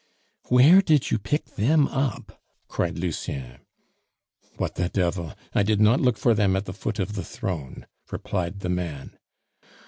"Where did you pick them up?" cried Lucien. "What the devil! I did not look for them at the foot of the throne!" replied the man.